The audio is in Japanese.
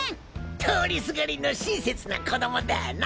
通りすがりの親切な子供だよな。